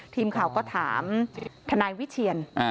ทีมข่าวก็ถามทนายวิเชียน